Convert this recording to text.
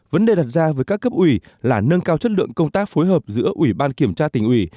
vấn đề đặt ra với các cấp ủy là nâng cao chất lượng công tác phối hợp giữa ủy ban kiểm tra tỉnh ủy